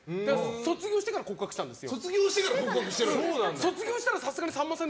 卒業してから告白したんですよ。